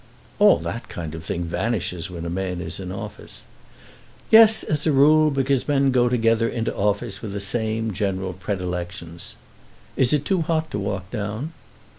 "All that kind of thing vanishes when a man is in office." "Yes, as a rule; because men go together into office with the same general predilections. Is it too hot to walk down?"